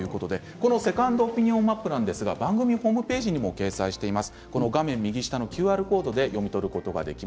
このセカンドオピニオンマップはホームページでも掲載してあります。